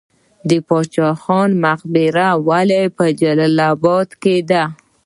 باچا خان مقبره ولې په جلال اباد کې ده؟